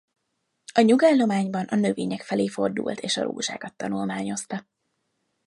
A nyugállományban a növények felé fordult és a rózsákat tanulmányozta.